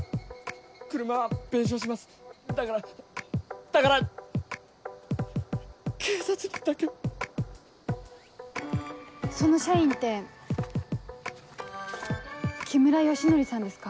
車は弁償しますだからだから警察にだけはその社員って木村良徳さんですか？